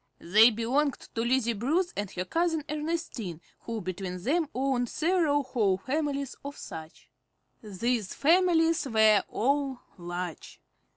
They belonged to Lizzie Bruce and her cousin Ernestine, who between them owned several whole families of such. These families were all large.